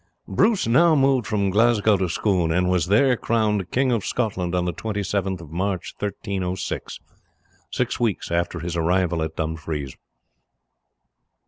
Bruce now moved from Glasgow to Scone, and was there crowned King of Scotland on the 27th of March, 1306, six weeks after his arrival at Dumfries.